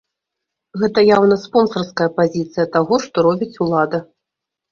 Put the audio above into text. Гэта яўна спонсарская пазіцыя таго, што робіць улада.